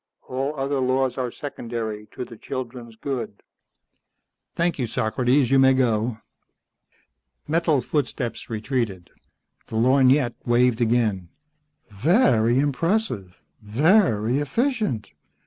All other laws are secondary to the children's good." "Thank you, Socrates. You may go." Metal footsteps retreated. The lorgnette waved again. "Very impressive. Very efficient.